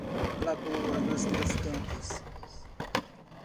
Lagoa dos Três Cantos